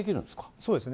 そうですね。